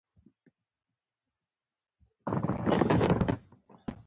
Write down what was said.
د اضافي زېنک اخیستو ته مخه کړې ده.